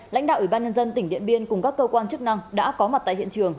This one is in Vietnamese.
lãnh đạo ủy ban nhân dân tỉnh điện biên cùng các cơ quan chức năng đã có mặt tại hiện trường